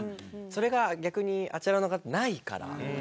それが逆にあちらの方ないから。